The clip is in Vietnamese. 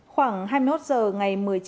khoảng hai mươi hốt giờ ngày một mươi chín